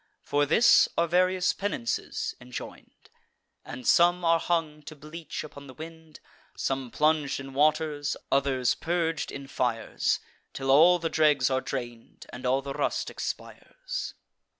For this are various penances enjoin'd; And some are hung to bleach upon the wind, Some plung'd in waters, others purg'd in fires, Till all the dregs are drain'd, and all the rust expires.